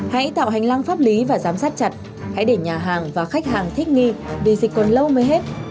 hãy tạo hành lang pháp lý và giám sát chặt hãy để nhà hàng và khách hàng thích nghi vì dịch còn lâu mới hết